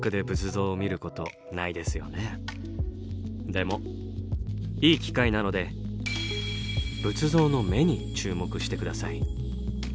でもいい機会なので仏像の目に注目して下さい。